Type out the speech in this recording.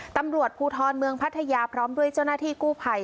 ตำรวจภูทรเมืองพัทยาพร้อมด้วยเจ้าหน้าที่กู้ภัย